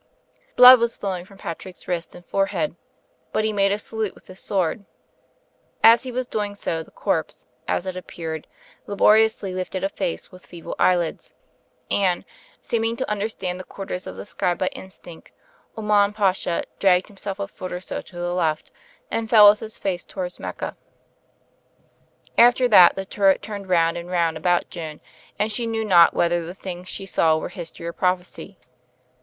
Blood was flowing from Patrick's wrist and forehead, but he made a salute with his sword. As he was doing so, the corpse, as it appeared, laboriously lifted a face, with feeble eyelids. And, seeming to imderstand the quarters of the sky by instinct, Oman Pasha dragged himself a foot or so to the left; and fell with his face toward Mecca. After that the turret turned round and round about Joan and she knew not whether the things she saw were history or prophecy.